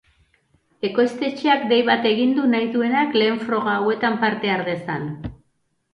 Ekoiztetxeak dei bat egin du nahi duenak lehen froga hauetan parte har dezan.